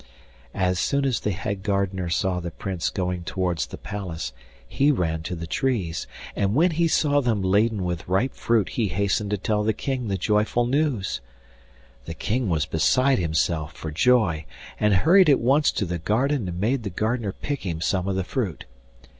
As soon as the head gardener saw the Prince going towards the palace he ran to the trees, and when he saw them laden with ripe fruit he hastened to tell the King the joyful news. The King was beside himself for joy, and hurried at once to the garden and made the gardener pick him some of the fruit.